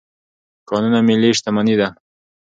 کانونه ملي شتمني ده.